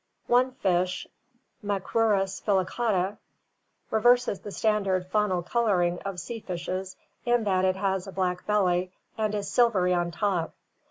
One fish, Macrurus filicauday reverses the standard faunal coloring of sea fishes in that it has a black belly and is silvery on top.